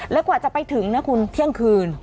แล้วกว่าจะไปถึงนะคุณเที่ยงคืน